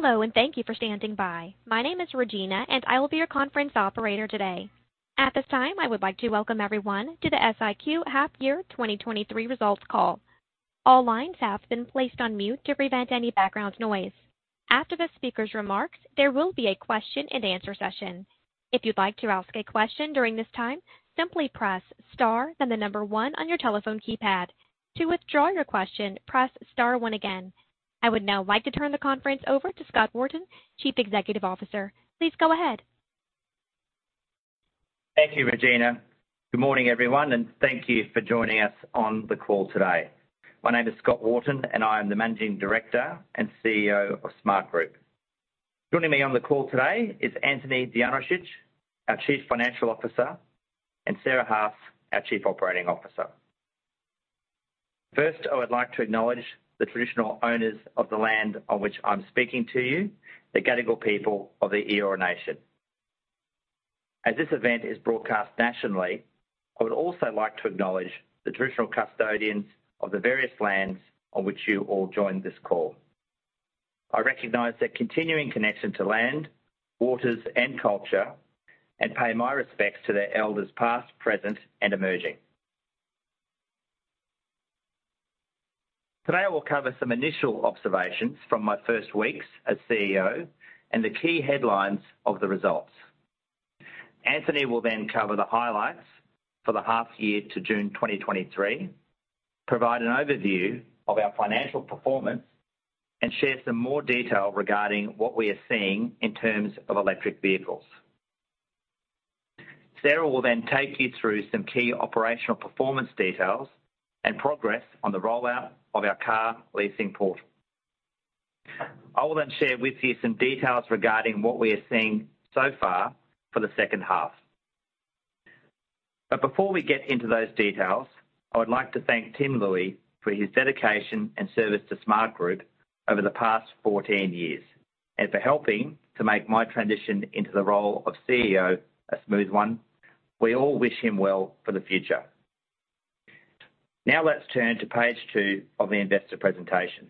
Hello, and thank you for standing by. My name is Regina, and I will be your conference operator today. At this time, I would like to welcome everyone to the SIQ Half Year 2023 Results Call. All lines have been placed on mute to prevent any background noise. After the speaker's remarks, there will be a question-and-answer session. If you'd like to ask a question during this time, simply press Star, then the number one on your telephone keypad. To withdraw your question, press Star one again. I would now like to turn the conference over to Scott Wharton, Chief Executive Officer. Please go ahead. Thank you, Regina. Good morning, everyone, and thank you for joining us on the call today. My name is Scott Wharton, and I am the Managing Director and CEO of Smartgroup. Joining me on the call today is Anthony Dijanosic, our Chief Financial Officer, and Sarah Haas, our Chief Operating Officer. First, I would like to acknowledge the traditional owners of the land on which I'm speaking to you, the Gadigal people of the Eora Nation. As this event is broadcast nationally, I would also like to acknowledge the traditional custodians of the various lands on which you all joined this call. I recognize their continuing connection to land, waters, and culture and pay my respects to their elders, past, present, and emerging. Today, I will cover some initial observations from my first weeks as CEO and the key headlines of the results. Anthony will cover the highlights for the half year to June 2023, provide an overview of our financial performance, and share some more detail regarding what we are seeing in terms of electric vehicles. Sarah will take you through some key operational performance details and progress on the rollout of our car leasing portal. I will share with you some details regarding what we are seeing so far for the second half. Before we get into those details, I would like to thank Tim Looi for his dedication and service to Smartgroup over the past 14 years, and for helping to make my transition into the role of CEO a smooth one. We all wish him well for the future. Let's turn to page 2 of the investor presentation.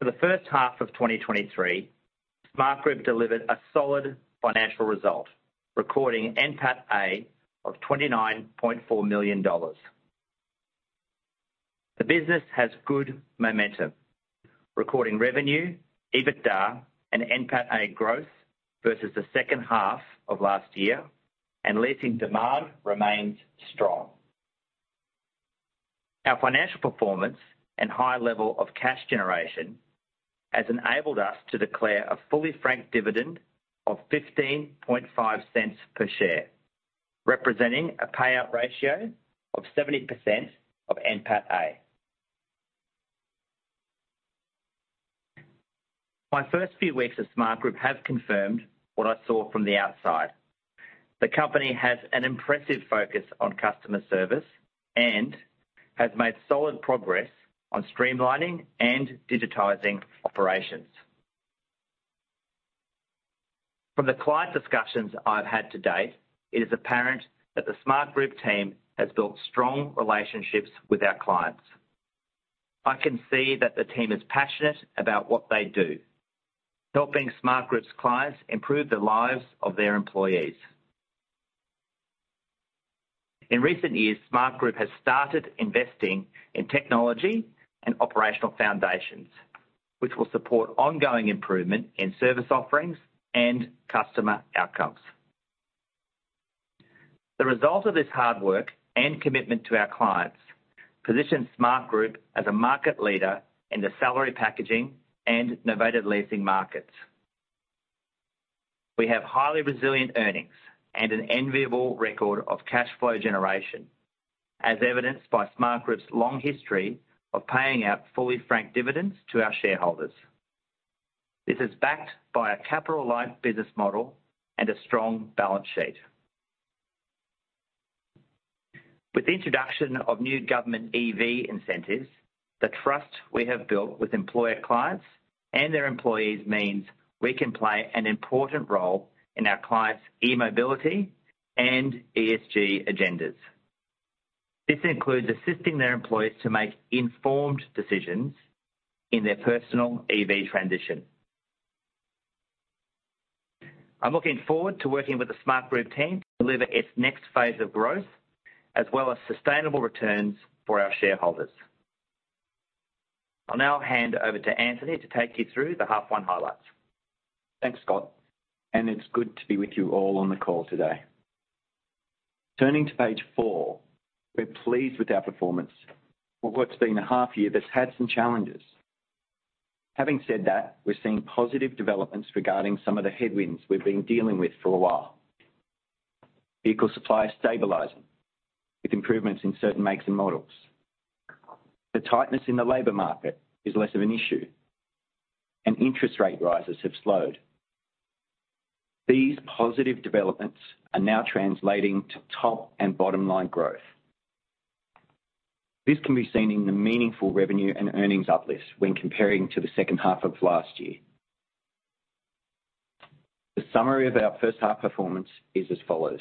For the first half of 2023, Smartgroup delivered a solid financial result, recording NPATA of AUD 29.4 million. The business has good momentum, recording revenue, EBITDA, and NPATA growth versus the second half of last year, and leasing demand remains strong. Our financial performance and high level of cash generation has enabled us to declare a fully franked dividend of 0.155 per share, representing a payout ratio of 70% of NPATA. My first few weeks at Smartgroup have confirmed what I saw from the outside. The company has an impressive focus on customer service and has made solid progress on streamlining and digitizing operations. From the client discussions I've had to date, it is apparent that the Smartgroup team has built strong relationships with our clients. I can see that the team is passionate about what they do, helping Smartgroup's clients improve the lives of their employees. In recent years, Smartgroup has started investing in technology and operational foundations, which will support ongoing improvement in service offerings and customer outcomes. The result of this hard work and commitment to our clients positions Smartgroup as a market leader in the salary packaging and novated leasing markets. We have highly resilient earnings and an enviable record of cash flow generation, as evidenced by Smartgroup's long history of paying out fully franked dividends to our shareholders. This is backed by a capital-light business model and a strong balance sheet. With the introduction of new government EV incentives, the trust we have built with employer clients and their employees means we can play an important role in our clients' e-mobility and ESG agendas. This includes assisting their employees to make informed decisions in their personal EV transition. I'm looking forward to working with the Smartgroup team to deliver its next phase of growth, as well as sustainable returns for our shareholders. I'll now hand over to Anthony to take you through the half one highlights. Thanks, Scott. It's good to be with you all on the call today. Turning to page four, we're pleased with our performance for what's been a half year that's had some challenges. Having said that, we're seeing positive developments regarding some of the headwinds we've been dealing with for a while. Vehicle supply is stabilizing, with improvements in certain makes and models. The tightness in the labor market is less of an issue, and interest rate rises have slowed. These positive developments are now translating to top and bottom line growth. This can be seen in the meaningful revenue and earnings uplifts when comparing to the second half of last year. The summary of our first half performance is as follows.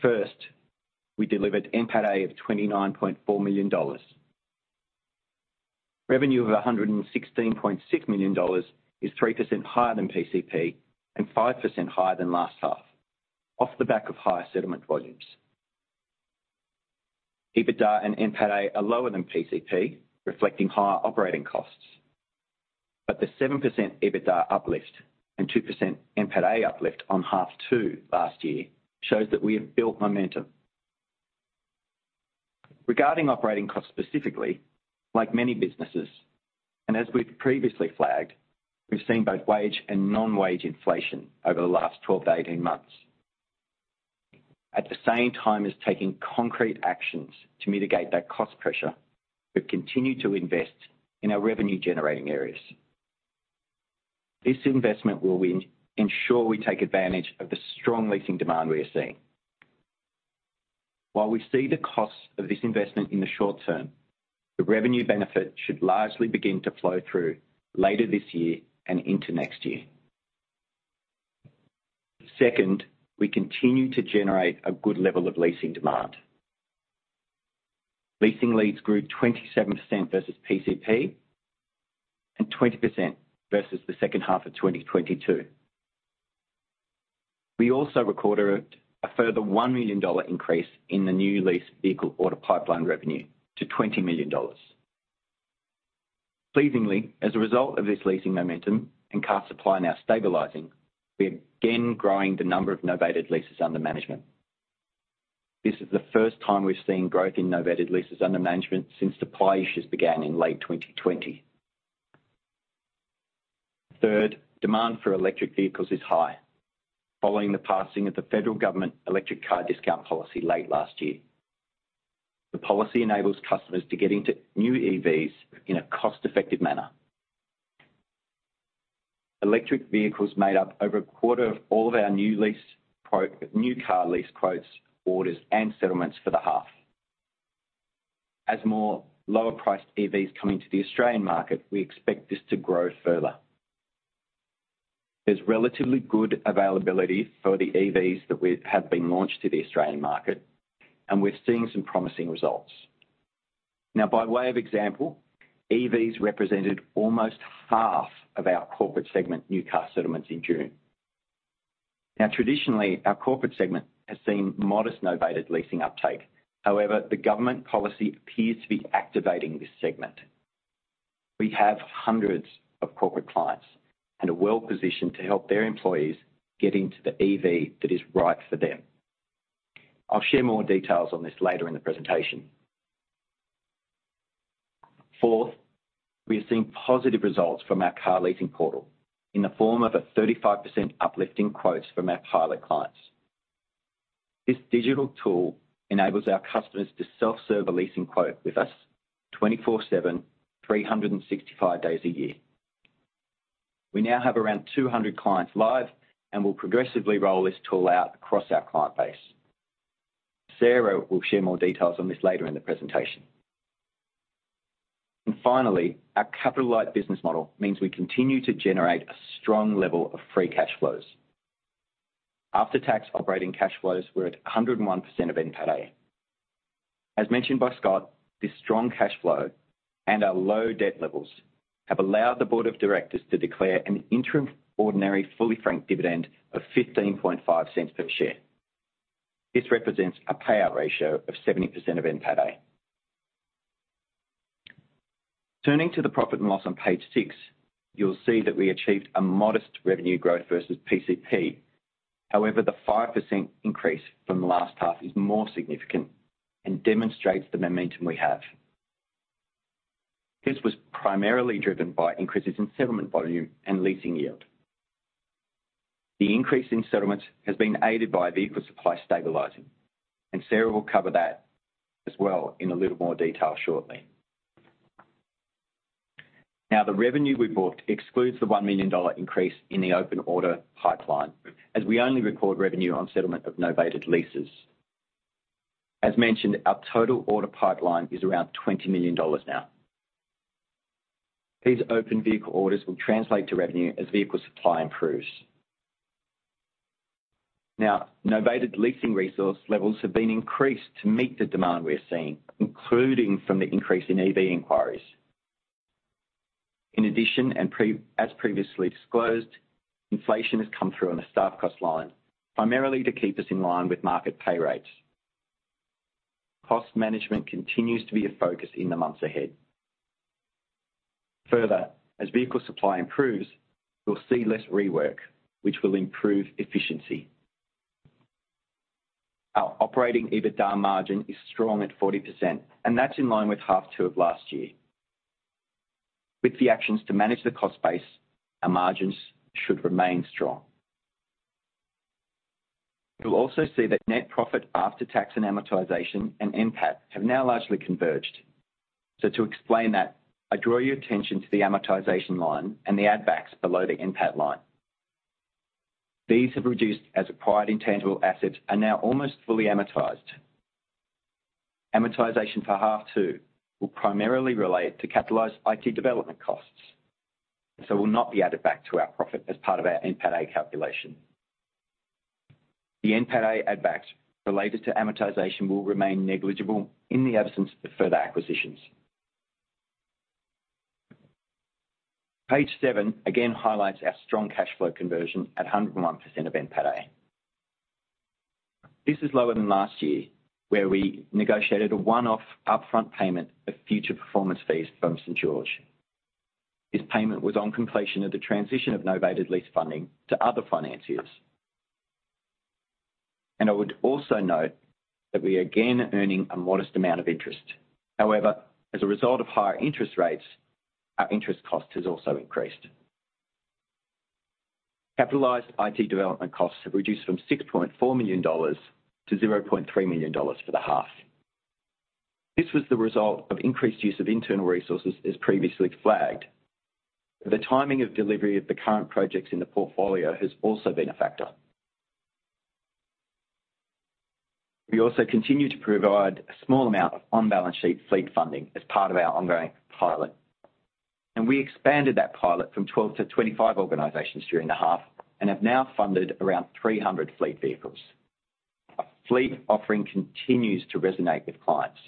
First, we delivered NPATA of 29.4 million dollars. Revenue of 116.6 million dollars is 3% higher than PCP and 5% higher than last half, off the back of higher settlement volumes. EBITDA and NPATA are lower than PCP, reflecting higher operating costs. The 7% EBITDA uplift and 2% NPATA uplift on half two last year shows that we have built momentum. Regarding operating costs specifically, like many businesses, and as we've previously flagged, we've seen both wage and non-wage inflation over the last 12-18 months. At the same time as taking concrete actions to mitigate that cost pressure, we've continued to invest in our revenue-generating areas. This investment will ensure we take advantage of the strong leasing demand we are seeing. While we see the costs of this investment in the short term, the revenue benefit should largely begin to flow through later this year and into next year. Second, we continue to generate a good level of leasing demand. Leasing leads grew 27% versus PCP, and 20% versus the second half of 2022. We also recorded a further 1 million dollar increase in the new lease vehicle order pipeline revenue to 20 million dollars. Pleasingly, as a result of this leasing momentum and car supply now stabilizing, we are again growing the number of novated leases under management. This is the first time we've seen growth in novated leases under management since supply issues began in late 2020. Third, demand for electric vehicles is high. Following the passing of the federal government Electric Car Discount policy late last year. The policy enables customers to get into new EVs in a cost-effective manner. Electric vehicles made up over a quarter of all of our new car lease quotes, orders, and settlements for the half. As more lower-priced EVs come into the Australian market, we expect this to grow further. There's relatively good availability for the EVs that have been launched to the Australian market, and we're seeing some promising results. Now, by way of example, EVs represented almost half of our corporate segment, new car settlements in June. Now, traditionally, our corporate segment has seen modest novated leasing uptake. However, the government policy appears to be activating this segment. We have hundreds of corporate clients, and are well-positioned to help their employees get into the EV that is right for them. I'll share more details on this later in the presentation. We are seeing positive results from our car leasing portal in the form of a 35% uplift in quotes from our pilot clients. This digital tool enables our customers to self-serve a leasing quote with us, 24/7, 365 days a year. We now have around 200 clients live. We'll progressively roll this tool out across our client base. Sarah will share more details on this later in the presentation. Finally, our capital-light business model means we continue to generate a strong level of free cash flows. After-tax operating cash flows were at 101% of NPATA. As mentioned by Scott, this strong cash flow and our low debt levels have allowed the board of directors to declare an interim ordinary, fully franked dividend of 0.155 per share. This represents a payout ratio of 70% of NPATA. Turning to the profit and loss on page 6, you'll see that we achieved a modest revenue growth versus PCP. However, the 5% increase from last half is more significant and demonstrates the momentum we have. This was primarily driven by increases in settlement volume and leasing yield. The increase in settlements has been aided by vehicle supply stabilizing, and Sarah will cover that as well in a little more detail shortly. Now, the revenue we booked excludes the 1 million dollar increase in the open order pipeline, as we only record revenue on settlement of novated leases. As mentioned, our total order pipeline is around 20 million dollars now. These open vehicle orders will translate to revenue as vehicle supply improves. Novated leasing resource levels have been increased to meet the demand we're seeing, including from the increase in EV inquiries. In addition, and as previously disclosed, inflation has come through on the staff cost line, primarily to keep us in line with market pay rates. Cost management continues to be a focus in the months ahead. Further, as vehicle supply improves, we'll see less rework, which will improve efficiency. Our operating EBITDA margin is strong at 40%, and that's in line with H2 of last year. With the actions to manage the cost base, our margins should remain strong. You'll also see that net profit after tax and amortization and NPAT have now largely converged. To explain that, I draw your attention to the amortization line and the add-backs below the NPAT line. These have reduced as acquired intangible assets are now almost fully amortized. amortization for half two will primarily relate to capitalized IT development costs, and so will not be added back to our profit as part of our NPATA calculation. The NPATA add back related to amortization will remain negligible in the absence of further acquisitions. Page seven again highlights our strong cash flow conversion at 101% of NPATA. This is lower than last year, where we negotiated a one-off upfront payment of future performance fees from St.George Bank. This payment was on completion of the transition of novated lease funding to other financiers. I would also note that we are again earning a modest amount of interest. However, as a result of higher interest rates, our interest cost has also increased. Capitalized IT development costs have reduced from 6.4 million dollars to 0.3 million dollars for the half. This was the result of increased use of internal resources, as previously flagged. The timing of delivery of the current projects in the portfolio has also been a factor. We also continue to provide a small amount of on-balance sheet fleet funding as part of our ongoing pilot. We expanded that pilot from 12 to 25 organizations during the half and have now funded around 300 fleet vehicles. Our fleet offering continues to resonate with clients.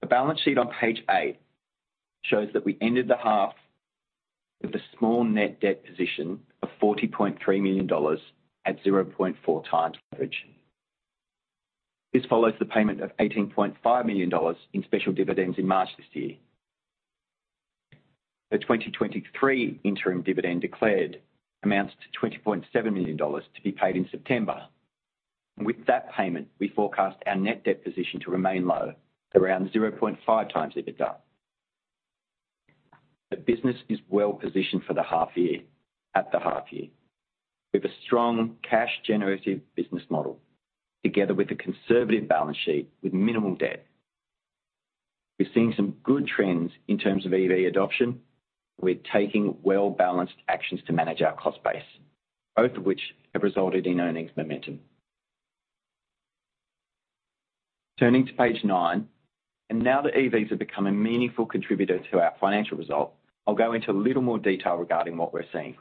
The balance sheet on page 8 shows that we ended the half with a small net debt position of 40.3 million dollars at 0.4 times leverage. This follows the payment of 18.5 million dollars in special dividends in March this year. The 2023 interim dividend declared amounts to 20.7 million dollars to be paid in September. With that payment, we forecast our net debt position to remain low, around 0.5x EBITDA. The business is well positioned for the half year, at the half year, with a strong cash generative business model, together with a conservative balance sheet with minimal debt. We're seeing some good trends in terms of EV adoption. We're taking well-balanced actions to manage our cost base, both of which have resulted in earnings momentum. Turning to page 9, and now that EVs have become a meaningful contributor to our financial result, I'll go into a little more detail regarding what we're seeing.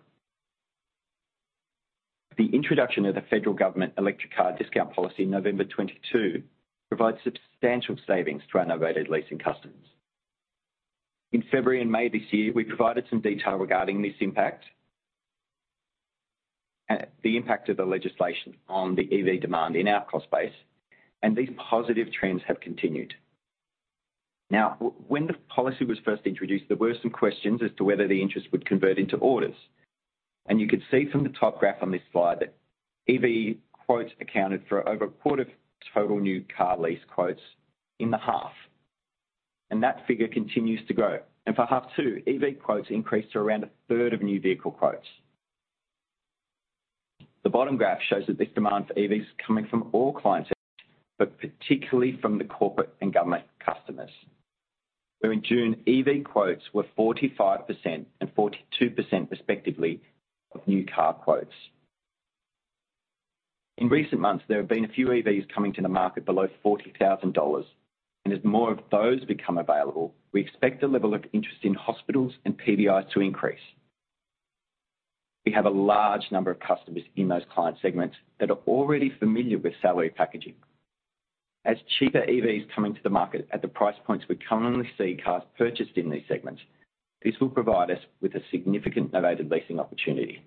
The introduction of the federal government Electric Car Discount policy in November 2022 provides substantial savings to our novated leasing customers. In February and May this year, we provided some detail regarding this impact, the impact of the legislation on the EV demand in our cost base. These positive trends have continued. Now, w- when the policy was first introduced, there were some questions as to whether the interest would convert into orders. You can see from the top graph on this slide that EV quotes accounted for over a quarter of total new car lease quotes in the half, and that figure continues to grow. For half two, EV quotes increased to around a third of new vehicle quotes. The bottom graph shows that this demand for EVs is coming from all client segments, but particularly from the corporate and government customers, where in June, EV quotes were 45% and 42%, respectively, of new car quotes. In recent months, there have been a few EVs coming to the market below 40,000 dollars. As more of those become available, we expect the level of interest in hospitals and PBIs to increase. We have a large number of customers in those client segments that are already familiar with salary packaging. As cheaper EVs coming to the market at the price points we commonly see cars purchased in these segments, this will provide us with a significant novated leasing opportunity.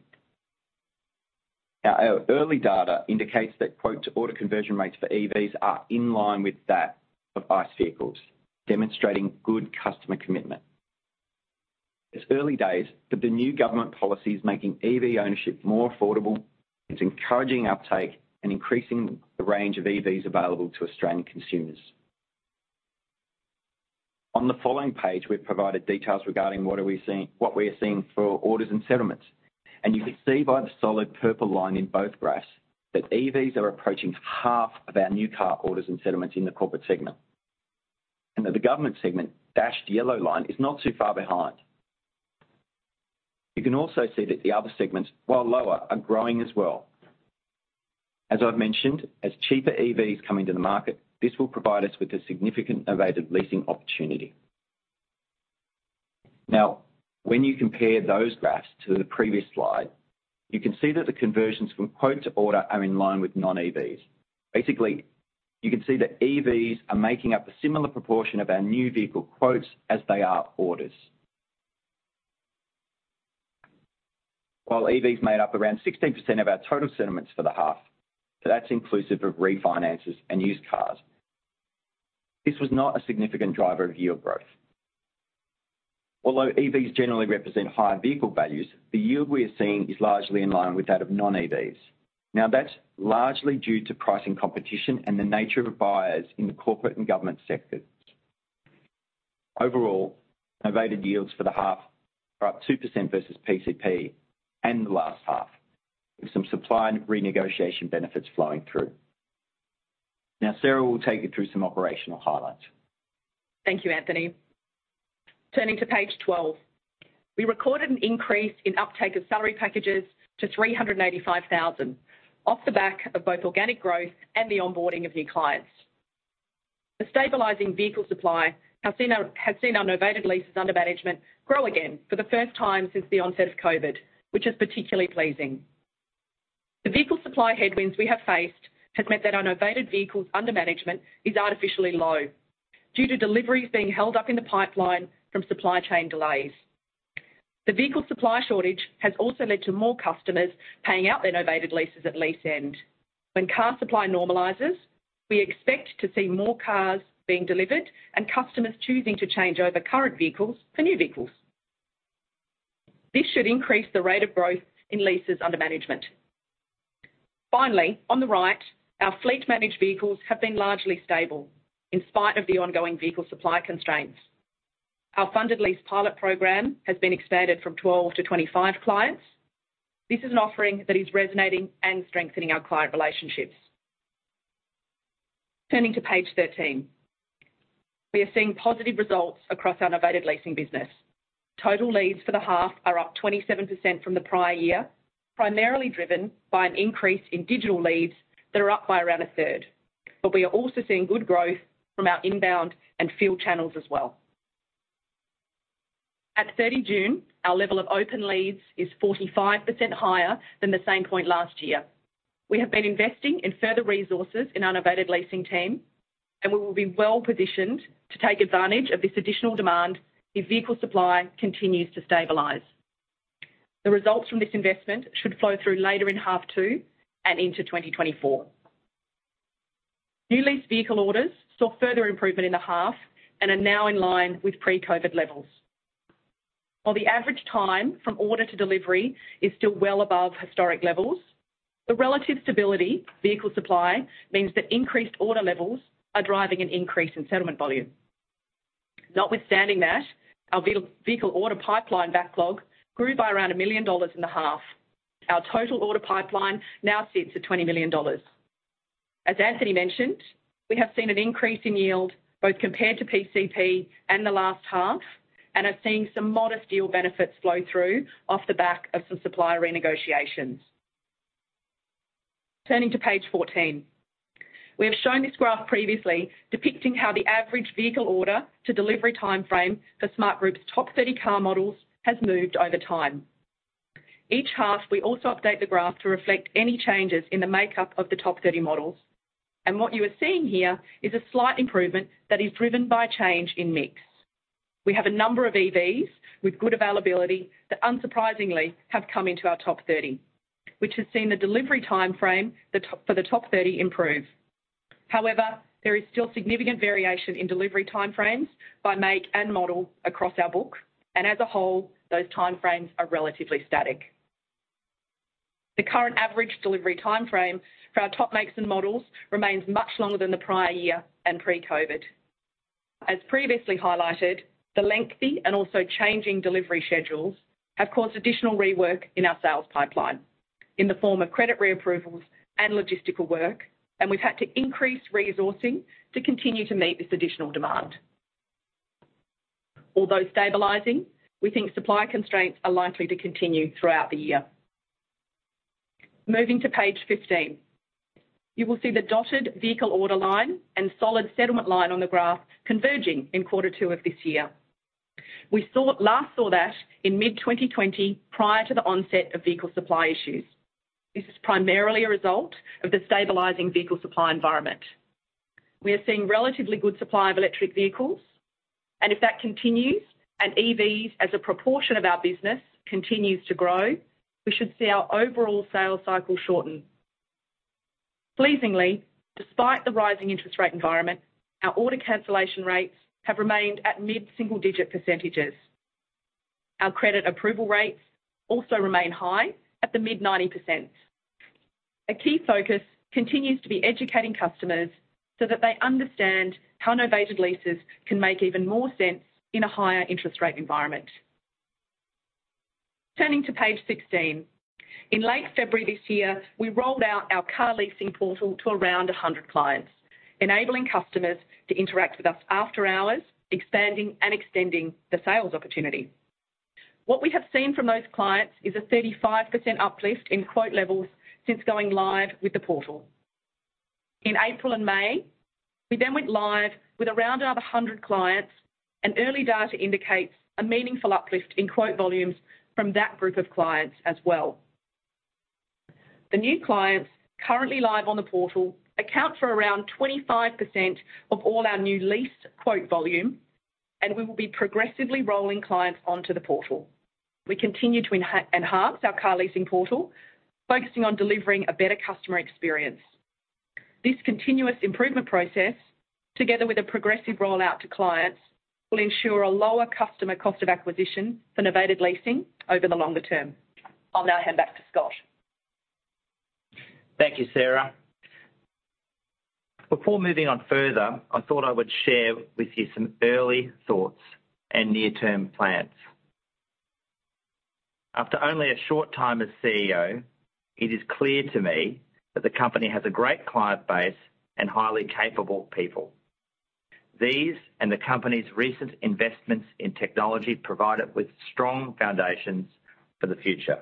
Our early data indicates that quote-to-order conversion rates for EVs are in line with that of ICE vehicles, demonstrating good customer commitment. It's early days. The new government policy is making EV ownership more affordable, it's encouraging uptake, and increasing the range of EVs available to Australian consumers. On the following page, we've provided details regarding what we are seeing for orders and settlements. You can see by the solid purple line in both graphs that EVs are approaching half of our new car orders and settlements in the corporate segment. That the government segment, dashed yellow line, is not too far behind. You can also see that the other segments, while lower, are growing as well. As I've mentioned, as cheaper EVs come into the market, this will provide us with a significant novated leasing opportunity. Now, when you compare those graphs to the previous slide, you can see that the conversions from quote to order are in line with non-EVs. Basically, you can see that EVs are making up a similar proportion of our new vehicle quotes as they are orders. While EVs made up around 16% of our total settlements for the half, so that's inclusive of refinances and used cars, this was not a significant driver of yield growth. Although EVs generally represent higher vehicle values, the yield we are seeing is largely in line with that of non-EVs. Now, that's largely due to pricing competition and the nature of buyers in the corporate and government sectors. Overall, novated yields for the half are up 2% versus PCP and the last half, with some supply and renegotiation benefits flowing through. Now, Sarah will take you through some operational highlights. Thank you, Anthony.... Turning to page 12. We recorded an increase in uptake of salary packages to 385,000, off the back of both organic growth and the onboarding of new clients. The stabilizing vehicle supply has seen our novated leases under management grow again for the first time since the onset of COVID, which is particularly pleasing. The vehicle supply headwinds we have faced has meant that our novated vehicles under management is artificially low, due to deliveries being held up in the pipeline from supply chain delays. The vehicle supply shortage has also led to more customers paying out their novated leases at lease end. When car supply normalizes, we expect to see more cars being delivered and customers choosing to change over current vehicles for new vehicles. This should increase the rate of growth in leases under management. Finally, on the right, our fleet managed vehicles have been largely stable in spite of the ongoing vehicle supply constraints. Our funded lease pilot program has been expanded from 12 to 25 clients. This is an offering that is resonating and strengthening our client relationships. Turning to page 13. We are seeing positive results across our novated leasing business. Total leads for the half are up 27% from the prior year, primarily driven by an increase in digital leads that are up by around a third. We are also seeing good growth from our inbound and field channels as well. At 30 June, our level of open leads is 45% higher than the same point last year. We have been investing in further resources in our novated leasing team, and we will be well positioned to take advantage of this additional demand if vehicle supply continues to stabilize. The results from this investment should flow through later in half 2 and into 2024. New lease vehicle orders saw further improvement in the half and are now in line with pre-COVID levels. While the average time from order to delivery is still well above historic levels, the relative stability vehicle supply means that increased order levels are driving an increase in settlement volume. Notwithstanding that, our vehicle order pipeline backlog grew by around 1 million dollars in the half. Our total order pipeline now sits at 20 million dollars. As Anthony mentioned, we have seen an increase in yield, both compared to PCP and the last half, and are seeing some modest deal benefits flow through off the back of some supplier renegotiations. Turning to page 14. We have shown this graph previously, depicting how the average vehicle order to delivery time frame for Smartgroup's top 30 car models has moved over time. Each half, we also update the graph to reflect any changes in the makeup of the top 30 models, and what you are seeing here is a slight improvement that is driven by change in mix. We have a number of EVs with good availability that unsurprisingly, have come into our top 30, which has seen the delivery time frame for the top 30 improve. There is still significant variation in delivery time frames by make and model across our book, and as a whole, those time frames are relatively static. The current average delivery time frame for our top makes and models remains much longer than the prior year and pre-COVID. As previously highlighted, the lengthy and also changing delivery schedules have caused additional rework in our sales pipeline in the form of credit reapprovals and logistical work, and we've had to increase resourcing to continue to meet this additional demand. Although stabilizing, we think supply constraints are likely to continue throughout the year. Moving to page 15. You will see the dotted vehicle order line and solid settlement line on the graph converging in quarter two of this year. We last saw that in mid-2020, prior to the onset of vehicle supply issues. This is primarily a result of the stabilizing vehicle supply environment. We are seeing relatively good supply of electric vehicles, and if that continues and EVs as a proportion of our business continues to grow, we should see our overall sales cycle shorten. Pleasingly, despite the rising interest rate environment, our order cancellation rates have remained at mid-single digit %. Our credit approval rates also remain high at the mid 90%. A key focus continues to be educating customers so that they understand how novated leases can make even more sense in a higher interest rate environment. Turning to page 16. In late February this year, we rolled out our car leasing portal to around 100 clients, enabling customers to interact with us after hours, expanding and extending the sales opportunity. What we have seen from those clients is a 35% uplift in quote levels since going live with the portal. In April and May, we then went live with around another 100 clients, and early data indicates a meaningful uplift in quote volumes from that group of clients as well. The new clients currently live on the portal, account for around 25% of all our new lease quote volume, and we will be progressively rolling clients onto the portal. We continue to enhance our car leasing portal, focusing on delivering a better customer experience. This continuous improvement process, together with a progressive rollout to clients, will ensure a lower customer cost of acquisition for novated leasing over the longer term. I'll now hand back to Scott. Thank you, Sarah. Before moving on further, I thought I would share with you some early thoughts and near-term plans. After only a short time as CEO, it is clear to me that the company has a great client base and highly capable people. These, and the company's recent investments in technology, provide it with strong foundations for the future.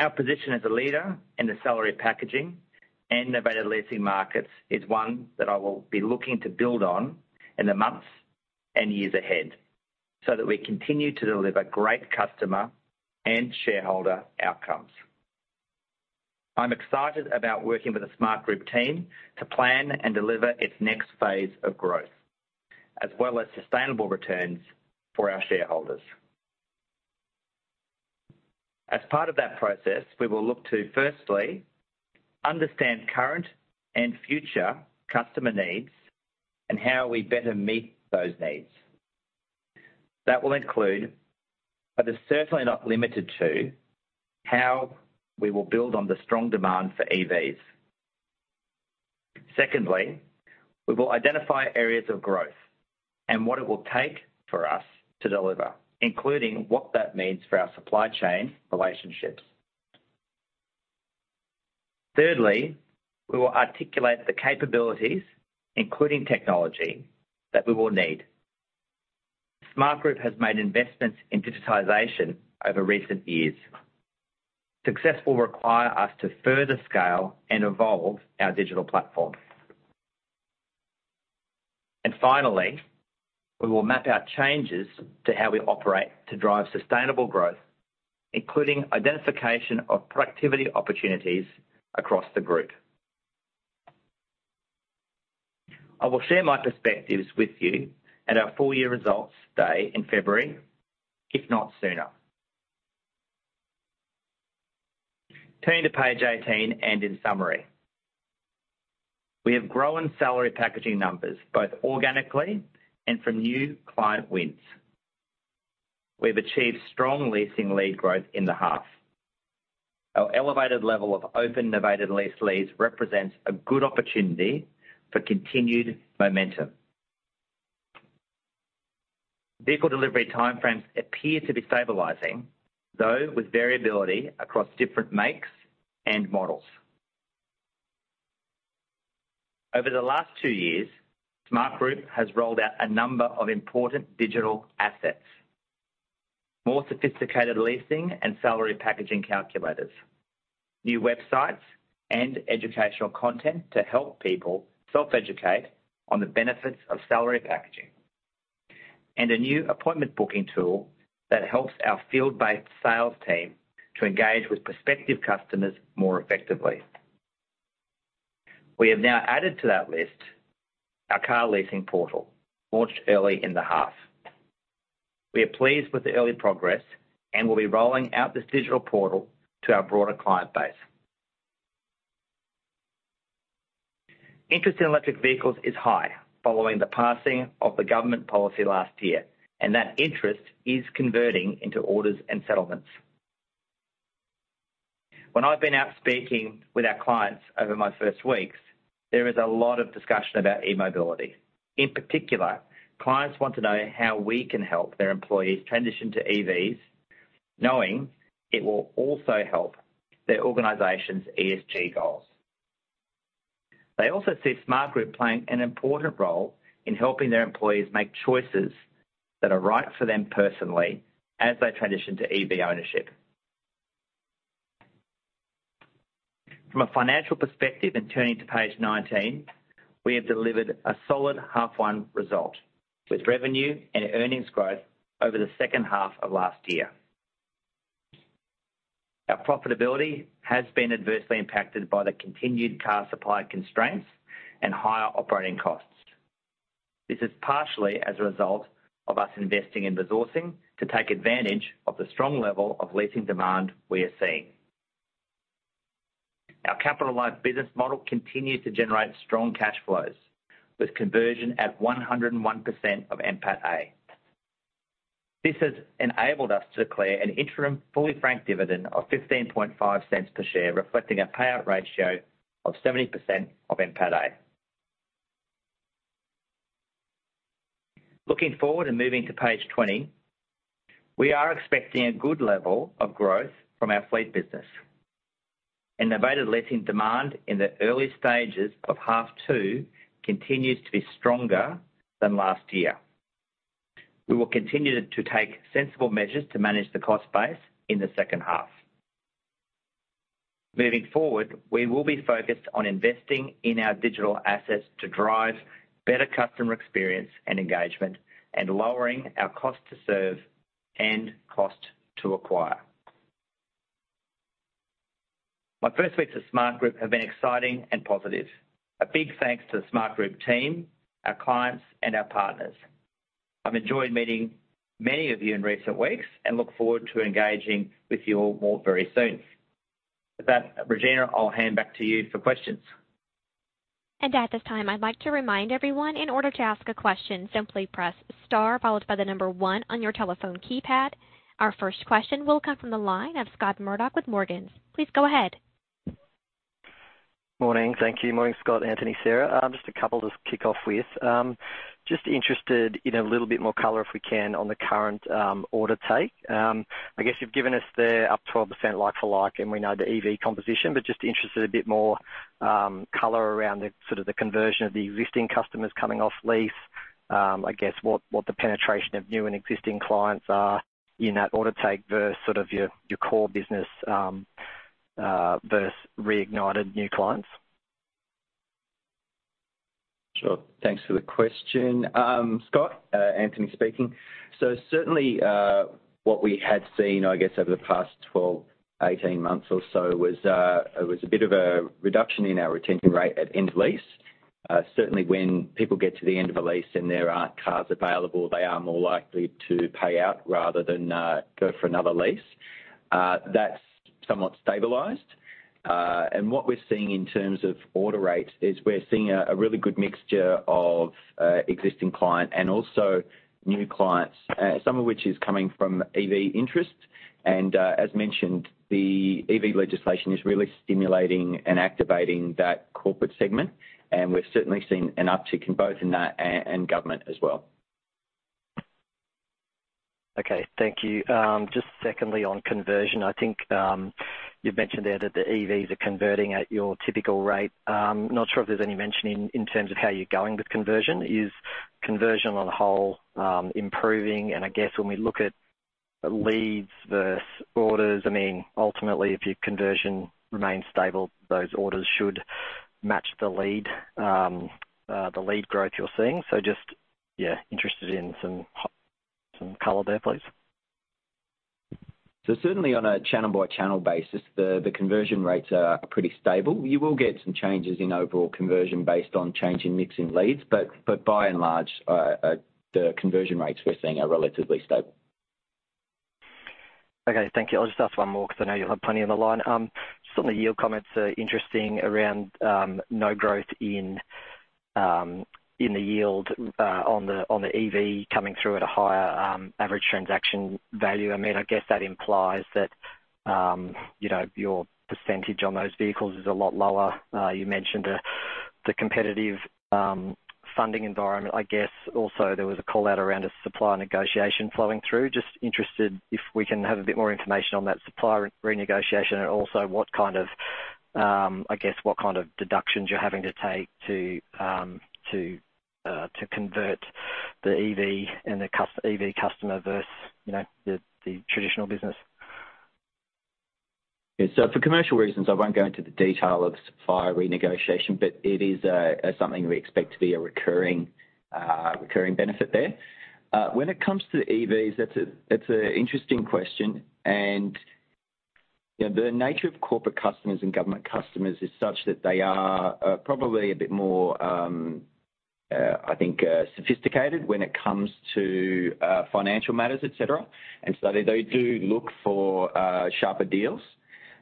Our position as a leader in the salary packaging and novated leasing markets is one that I will be looking to build on in the months and years ahead, so that we continue to deliver great customer and shareholder outcomes. I'm excited about working with the Smartgroup team to plan and deliver its next phase of growth, as well as sustainable returns for our shareholders. As part of that process, we will look to firstly, understand current and future customer needs and how we better meet those needs. That will include, but is certainly not limited to, how we will build on the strong demand for EVs. Secondly, we will identify areas of growth and what it will take for us to deliver, including what that means for our supply chain relationships. Thirdly, we will articulate the capabilities, including technology, that we will need. Smartgroup has made investments in digitization over recent years. Success will require us to further scale and evolve our digital platform. Finally, we will map out changes to how we operate to drive sustainable growth, including identification of productivity opportunities across the group. I will share my perspectives with you at our full year results day in February, if not sooner. Turning to page 18, and in summary, we have grown salary packaging numbers, both organically and from new client wins. We've achieved strong leasing lead growth in the half. Our elevated level of open novated lease leads represents a good opportunity for continued momentum. Vehicle delivery time frames appear to be stabilizing, though with variability across different makes and models. Over the last two years, Smartgroup has rolled out a number of important digital assets, more sophisticated leasing and salary packaging calculators, new websites and educational content to help people self-educate on the benefits of salary packaging, and a new appointment booking tool that helps our field-based sales team to engage with prospective customers more effectively. We have now added to that list our car leasing portal, launched early in the half. We are pleased with the early progress and will be rolling out this digital portal to our broader client base. Interest in electric vehicles is high following the passing of the government policy last year, and that interest is converting into orders and settlements. When I've been out speaking with our clients over my first weeks, there is a lot of discussion about e-mobility. In particular, clients want to know how we can help their employees transition to EVs, knowing it will also help their organization's ESG goals. They also see Smartgroup playing an important role in helping their employees make choices that are right for them personally as they transition to EV ownership. From a financial perspective, and turning to page 19, we have delivered a solid half 1 result, with revenue and earnings growth over the second half of last year. Our profitability has been adversely impacted by the continued car supply constraints and higher operating costs. This is partially as a result of us investing in resourcing to take advantage of the strong level of leasing demand we are seeing. Our capital-light business model continues to generate strong cash flows, with conversion at 101% of NPATA. This has enabled us to declare an interim fully frank dividend of 0.155 per share, reflecting a payout ratio of 70% of NPATA. Looking forward and moving to page 20, we are expecting a good level of growth from our fleet business. Novated leasing demand in the early stages of half 2 continues to be stronger than last year. We will continue to take sensible measures to manage the cost base in the second half. Moving forward, we will be focused on investing in our digital assets to drive better customer experience and engagement, and lowering our cost to serve and cost to acquire. My first weeks at Smartgroup have been exciting and positive. A big thanks to the Smartgroup team, our clients, and our partners. I've enjoyed meeting many of you in recent weeks and look forward to engaging with you all more very soon. With that, Regina, I'll hand back to you for questions. At this time, I'd like to remind everyone, in order to ask a question, simply press star, followed by the number one on your telephone keypad. Our first question will come from the line of Scott Murdoch with Morgans. Please go ahead. Morning. Thank you. Morning, Scott, Anthony, Sarah. Just a couple to kick off with. Just interested in a little bit more color, if we can, on the current order take. I guess you've given us the up 12% like for like, and we know the EV composition, but just interested a bit more color around the sort of the conversion of the existing customers coming off lease. I guess what, what the penetration of new and existing clients are in that order take versus sort of your, your core business versus reignited new clients? Sure. Thanks for the question. Scott, Anthony speaking. Certainly, what we had seen, I guess, over the past 12, 18 months or so, was a bit of a reduction in our retention rate at end lease. Certainly when people get to the end of a lease and there aren't cars available, they are more likely to pay out rather than go for another lease. That's somewhat stabilized. What we're seeing in terms of order rates is we're seeing a really good mixture of existing client and also new clients, some of which is coming from EV interest. As mentioned, the EV legislation is really stimulating and activating that corporate segment, and we've certainly seen an uptick in both in that and government as well. Okay, thank you. Just secondly, on conversion, I think you've mentioned there that the EVs are converting at your typical rate. Not sure if there's any mention in terms of how you're going with conversion. Is conversion on the whole improving? I guess when we look at leads versus orders, I mean, ultimately, if your conversion remains stable, those orders should match the lead, the lead growth you're seeing. Just, yeah, interested in some color there, please. Certainly on a channel by channel basis, the, the conversion rates are, are pretty stable. You will get some changes in overall conversion based on changing mixing leads, but, but by and large, the conversion rates we're seeing are relatively stable. Okay, thank you. I'll just ask one more because I know you'll have plenty on the line. Some of the yield comments are interesting around no growth in in the yield on the on the EV coming through at a higher average transaction value. I mean, I guess that implies that, you know, your percentage on those vehicles is a lot lower. You mentioned the the competitive funding environment. I guess, also there was a call out around a supplier negotiation flowing through. Just interested if we can have a bit more information on that supplier renegotiation and also what kind of, I guess, what kind of deductions you're having to take to to to convert the EV and the EV customer versus, you know, the the traditional business? Yeah. For commercial reasons, I won't go into the detail of supplier renegotiation, but it is something we expect to be a recurring recurring benefit there. When it comes to the EVs, that's a, that's an interesting question. You know, the nature of corporate customers and government customers is such that they are probably a bit more, I think, sophisticated when it comes to financial matters, et cetera. They do look for sharper deals,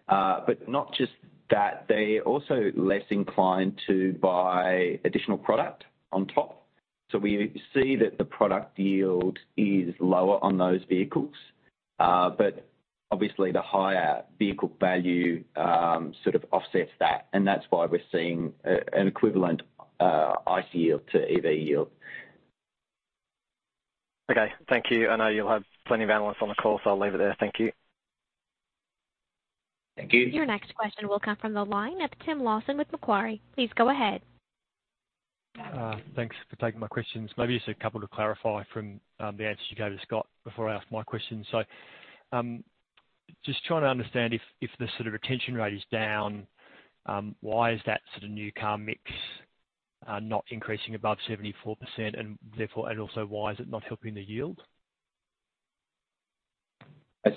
but not just that, they're also less inclined to buy additional product on top. We see that the product yield is lower on those vehicles, but obviously, the higher vehicle value sort of offsets that, and that's why we're seeing an equivalent ICE yield to EV yield. Okay, thank you. I know you'll have plenty of analysts on the call, so I'll leave it there. Thank you. Thank you. Your next question will come from the line of Tim Lawson with Macquarie. Please go ahead. Thanks for taking my questions. Maybe just a couple to clarify from the answers you gave to Scott before I ask my questions. Just trying to understand if, if the sort of retention rate is down, why is that sort of new car mix not increasing above 74%, and therefore, and also, why is it not helping the yield?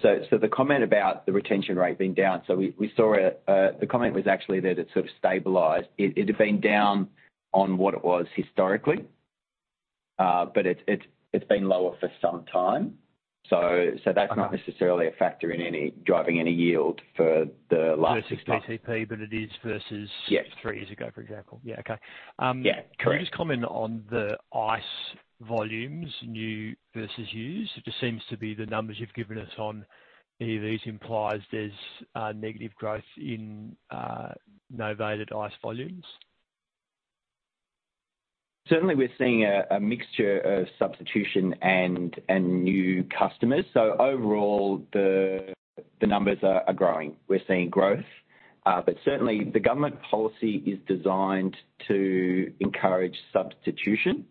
So the comment about the retention rate being down, so we, we saw a, the comment was actually that it sort of stabilized. It, it had been down on what it was historically, but it, it's, it's been lower for some time. So that's- Okay not necessarily a factor in any, driving any yield for the last 16. it is. Yes three years ago, for example? Yeah. Okay. Yeah, correct. Can you just comment on the ICE volumes, new versus used? It just seems to be the numbers you've given us on EVs implies there's negative growth in novated ICE volumes. Certainly, we're seeing a mixture of substitution and new customers, so overall the numbers are growing. We're seeing growth, certainly, the government policy is designed to encourage substitution,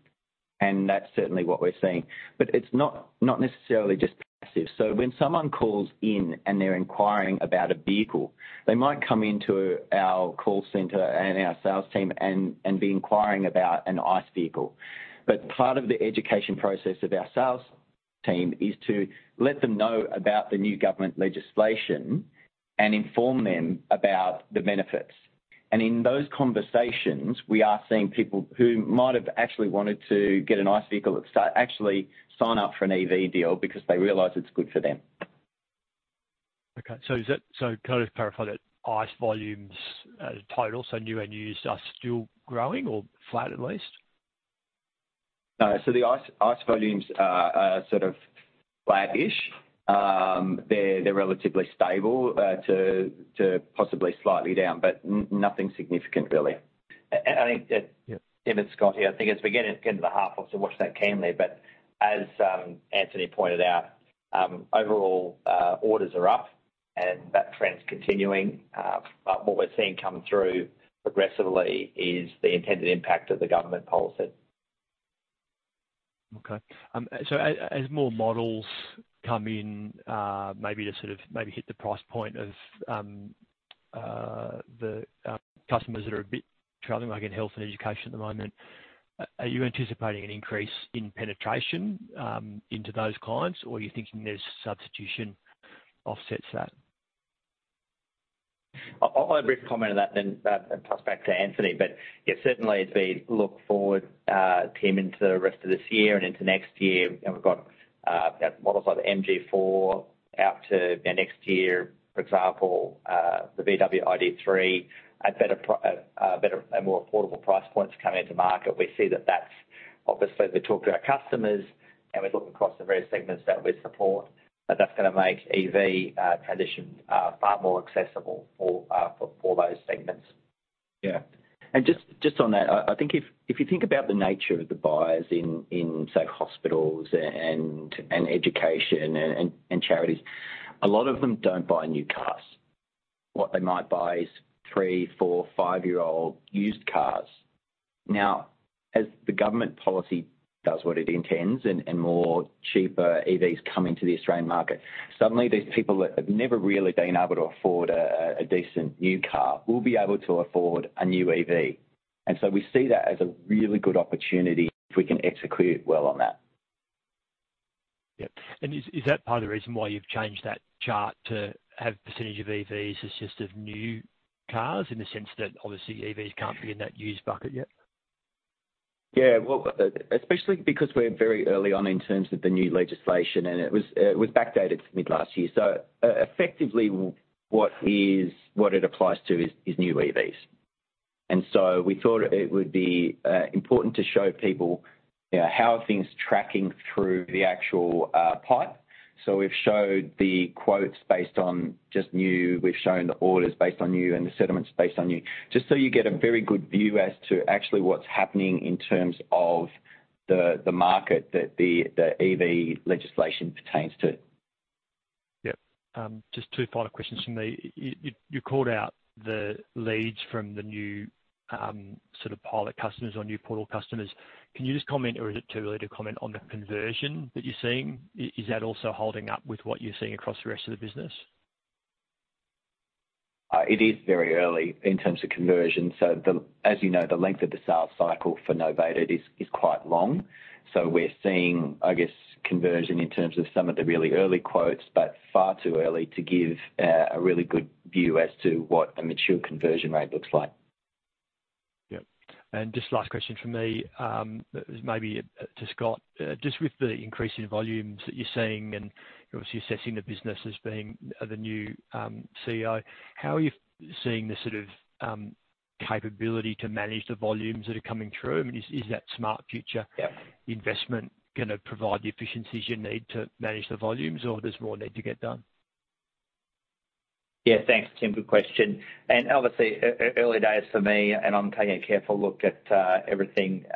and that's certainly what we're seeing. It's not, not necessarily just passive. When someone calls in and they're inquiring about a vehicle, they might come into our call center and our sales team and be inquiring about an ICE vehicle. Part of the education process of our sales team is to let them know about the new government legislation and inform them about the benefits. In those conversations, we are seeing people who might have actually wanted to get an ICE vehicle at start, actually sign up for an EV deal because they realize it's good for them. Okay, can I just clarify that, ICE volumes, total, so new and used, are still growing or flat at least?... ICE volumes are sort of flat-ish. They're relatively stable to possibly slightly down, but nothing significant, really. I think, Tim, it's Scott here. I think as we get into the half, we'll have to watch that carefully. As Anthony pointed out, overall, orders are up, and that trend's continuing. What we're seeing come through progressively is the intended impact of the government policy. Okay. As more models come in, maybe to sort of maybe hit the price point of the customers that are a bit traveling, like in health and education at the moment, are you anticipating an increase in penetration into those clients, or are you thinking there's substitution offsets that? I'll, I'll have a brief comment on that then, toss back to Anthony. Yeah, certainly as we look forward, Tim, into the rest of this year and into next year, and we've got models like the MG4 out to, you know, next year. For example, the Volkswagen ID.3, a more affordable price points coming into market. We see that that's obviously we talk to our customers, and we look across the various segments that we support, but that's gonna make EV transition far more accessible for, for those segments. Yeah. Just, just on that, I, I think if, if you think about the nature of the buyers in, in, say, hospitals and, and education and, and, and charities, a lot of them don't buy new cars. What they might buy is three, four, five-year-old used cars. As the government policy does what it intends and, and more cheaper EVs come into the Australian market, suddenly, these people that have never really been able to afford a, a, a decent new car will be able to afford a new EV. So we see that as a really good opportunity if we can execute well on that. Yep. Is that part of the reason why you've changed that chart to have % of EVs as just of new cars, in the sense that obviously EVs can't be in that used bucket yet? Yeah, well, especially because we're very early on in terms of the new legislation, and it was, it was backdated to mid-last year. Effectively, what it applies to is new EVs. We thought it would be important to show people, you know, how are things tracking through the actual pipe. We've showed the quotes based on just new, we've shown the orders based on new, and the settlements based on new. Just so you get a very good view as to actually what's happening in terms of the market that the EV legislation pertains to. Yep. Just two final questions from me. You, you, you called out the leads from the new, sort of pilot customers or new portal customers. Can you just comment, or is it too early to comment on the conversion that you're seeing? I-is that also holding up with what you're seeing across the rest of the business? It is very early in terms of conversion. The, as you know, the length of the sales cycle for novated is quite long. We're seeing, I guess, conversion in terms of some of the really early quotes, but far too early to give a really good view as to what a mature conversion rate looks like. Yep. Just last question from me, maybe to Scott. Just with the increase in volumes that you're seeing and obviously assessing the business as being the new CEO, how are you seeing the sort of capability to manage the volumes that are coming through? I mean, is, is that Smart Future... Yeah... investment gonna provide the efficiencies you need to manage the volumes, or there's more need to get done? Yeah. Thanks, Tim. Good question. Obviously, early days for me, and I'm taking a careful look at everything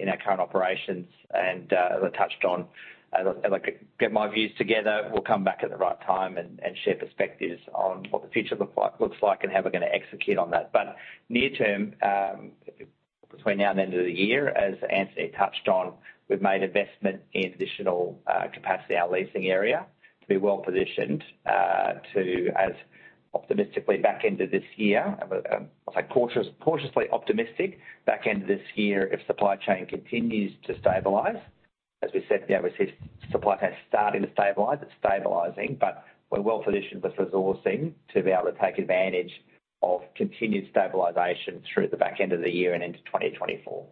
in our current operations. As I touched on, as I get my views together, we'll come back at the right time and share perspectives on what the future looks like and how we're gonna execute on that. Near term, between now and the end of the year, as Anthony touched on, we've made investment in additional capacity, our leasing area, to be well positioned, to as optimistically back end of this year. I'm cautiously, cautiously optimistic back end of this year, if supply chain continues to stabilize. As we said, obviously, supply chain is starting to stabilize. It's stabilizing, but we're well positioned with resourcing to be able to take advantage of continued stabilization through the back end of the year and into 2024.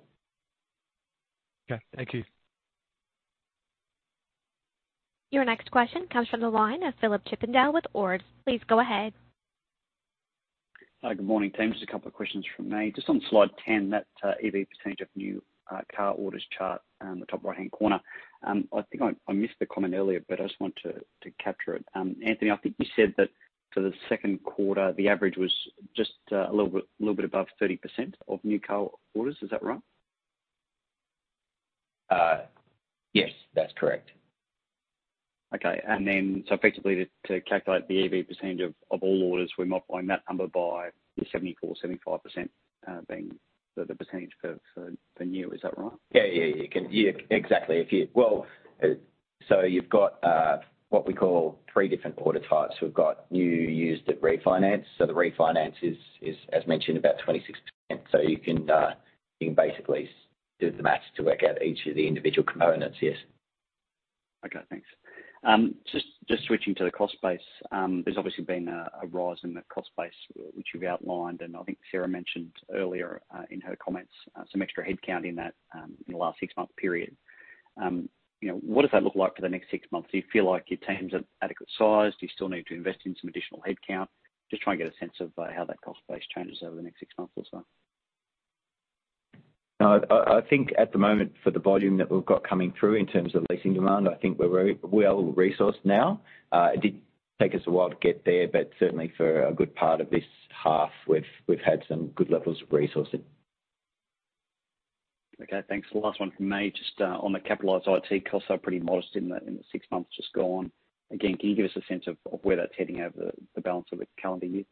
Okay, thank you. Your next question comes from the line of Phillip Chippindale with Ord Minnett. Please go ahead. Good morning, team. Just a couple of questions from me. Just on slide 10, that EV percentage of new car orders chart, the top right-hand corner. I think I missed the comment earlier, but I just want to capture it. Anthony, I think you said that for the Q2, the average was just a little bit, little bit above 30% of new car orders. Is that right? Yes, that's correct. Okay. Effectively, to, to calculate the EV percentage of, of all orders, we're multiplying that number by the 74%-75%, being the, the percentage for, for the new, is that right? Yeah, yeah. You can... Yeah, exactly. Well, you've got what we call three different order types. We've got new, used, and refinance. The refinance is, as mentioned, about 26%. You can basically do the math to work out each of the individual components, yes. Okay, thanks. Just, just switching to the cost base. There's obviously been a, a rise in the cost base, which you've outlined, and I think Sarah mentioned earlier, in her comments, some extra headcount in that, in the last six-month period.... you know, what does that look like for the next six months? Do you feel like your teams are adequate sized? Do you still need to invest in some additional headcount? Just trying to get a sense of, how that cost base changes over the next six months or so. No, I, I think at the moment, for the volume that we've got coming through in terms of leasing demand, I think we're very well resourced now. It did take us a while to get there, but certainly for a good part of this half, we've, we've had some good levels of resourcing. Okay, thanks. The last one from me, just, on the capitalized IT costs are pretty modest in the 6 months just gone. Again, can you give us a sense of where that's heading over the balance of the calendar year?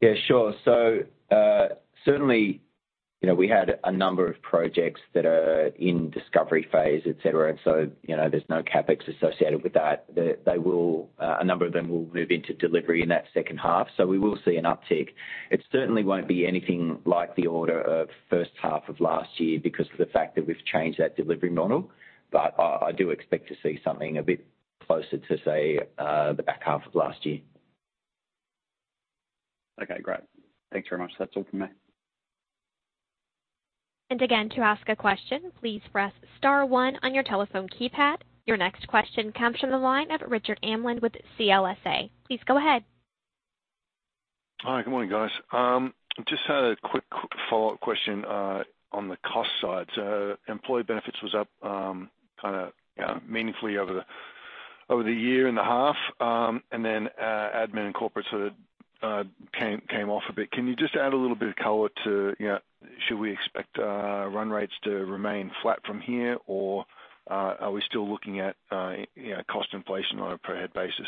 Yeah, sure. Certainly, you know, we had a number of projects that are in discovery phase, et cetera, and so, you know, there's no CapEx associated with that. They, they will, a number of them will move into delivery in that second half, so we will see an uptick. It certainly won't be anything like the order of first half of last year because of the fact that we've changed that delivery model. I, I do expect to see something a bit closer to, say, the back half of last year. Okay, great. Thanks very much. That's all from me. Again, to ask a question, please press star 1 on your telephone keypad. Your next question comes from the line of Richard Amlin with CLSA. Please go ahead. Hi, good morning, guys. Just had a quick follow-up question on the cost side. Employee benefits was up, kind of, yeah, meaningfully over the year and a half, and then, admin and corporate sort of came off a bit. Can you just add a little bit of color to, you know, should we expect run rates to remain flat from here, or are we still looking at, you know, cost inflation on a per head basis?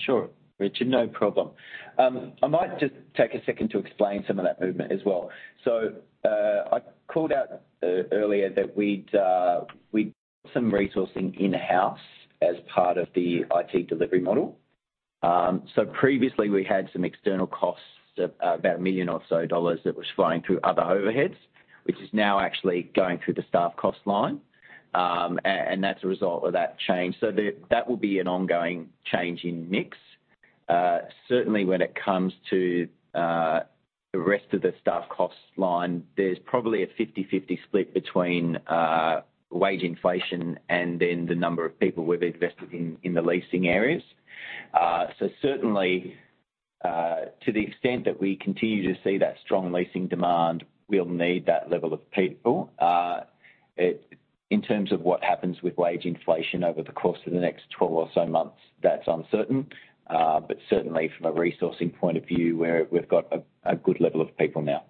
Sure, Richard, no problem. I might just take a second to explain some of that movement as well. I called out earlier that we'd we'd some resourcing in-house as part of the IT delivery model. Previously, we had some external costs of about 1 million or so that was flowing through other overheads, which is now actually going through the staff cost line. That's a result of that change. That will be an ongoing change in mix. Certainly when it comes to the rest of the staff cost line, there's probably a 50/50 split between wage inflation and then the number of people we've invested in, in the leasing areas. Certainly, to the extent that we continue to see that strong leasing demand, we'll need that level of people. In terms of what happens with wage inflation over the course of the next 12 or so months, that's uncertain, but certainly from a resourcing point of view, we've got a good level of people now.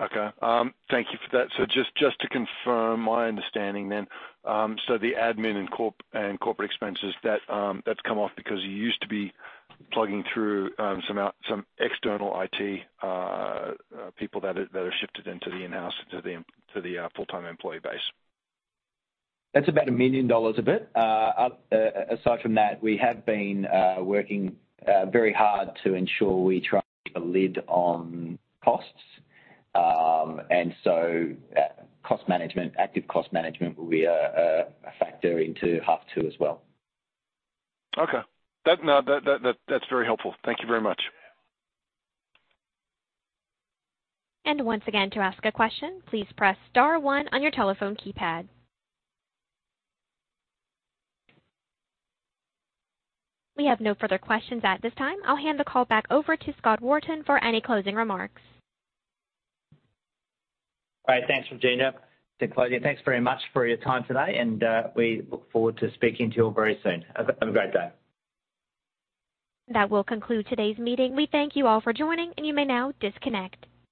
Okay. Thank you for that. Just, just to confirm my understanding then, so the admin and corporate expenses that's come off because you used to be plugging through some external IT people that have shifted into the in-house, to the full-time employee base? That's about 1 million dollars a bit. Aside from that, we have been working very hard to ensure we try a lid on costs. So cost management, active cost management will be a factor into half 2 as well. Okay. That, no, that, that, that's very helpful. Thank you very much. Once again, to ask a question, please press star one on your telephone keypad. We have no further questions at this time. I'll hand the call back over to Scott Wharton for any closing remarks. All right. Thanks, Regina. To close here, thanks very much for your time today. We look forward to speaking to you all very soon. Have a great day. That will conclude today's meeting. We thank you all for joining, and you may now disconnect.